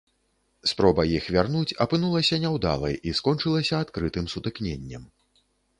Спроба іх вярнуць апынулася няўдалай і скончылася адкрытым сутыкненнем.